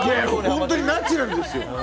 本当にナチュラルですよ。